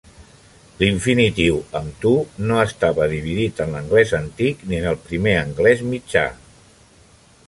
L'infinitiu amb "to" no estava dividit en l'anglès antic ni en el primer anglès mitjà.